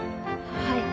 はい。